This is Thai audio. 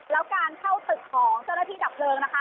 แล้วการเข้าตึกของเจ้าหน้าที่ดับเพลิงนะคะ